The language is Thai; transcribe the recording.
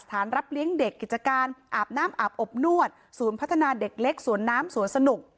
รับเลี้ยงเด็กกิจการอาบน้ำอาบอบนวดศูนย์พัฒนาเด็กเล็กสวนน้ำสวนสนุก